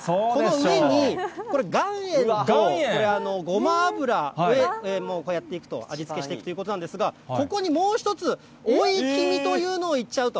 上に岩塩とごま油でこうやって味付けしていくということなんですが、ここにもう一つ、追い黄身というのをいっちゃうと。